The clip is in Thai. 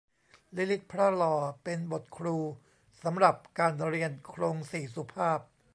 ลิลิตพระลอ เป็นบทครูสำหรับการเรียนโคลงสี่สุภาพ